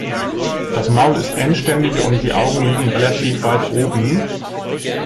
Das Maul ist endständig und die Augen liegen relativ weit oben.